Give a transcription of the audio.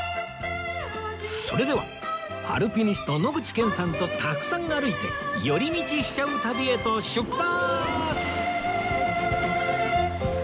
それではアルピニスト野口健さんとたくさん歩いて寄り道しちゃう旅へと出発！